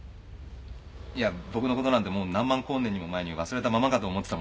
いや僕のことなんてもう何万光年にも前に忘れたままかと思ってたもので。